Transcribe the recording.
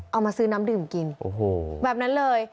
เอามาซื้อน้ำดื่มกินโอ้โหแบบนั้นเลย